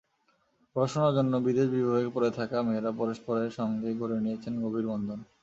পড়াশোনার জন্য বিদেশ-বিভুঁইয়ে পড়ে থাকা মেয়েরা পরস্পরের সঙ্গে গড়ে নিয়েছেন গভীর বন্ধন।